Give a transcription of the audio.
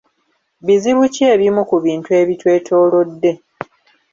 Bizibu ki ebimu ku bintu ebitwetoolodde?